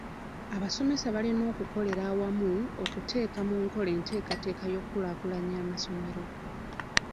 Abasomesa balina okukolera awamu okuteeka mu nkola enteekateeka y'okukulaakulanya amasomero.